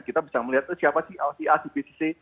kita bisa melihat itu siapa sih acpcc